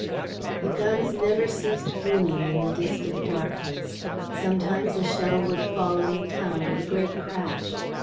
The guns never ceased booming in the distant darkness. Sometimes a shell would fall on the town with a great crash.